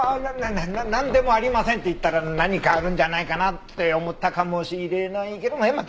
なななななんでもありませんって言ったら何かあるんじゃないかなって思ったかもしれないけどま